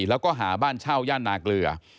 แล้วก็หาบ้านเช่าย่านนาเกลือ